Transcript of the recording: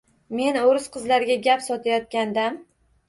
Men uris qizlarga gap sotayotgan dam